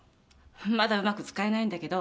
まだうまく使えないんだけど。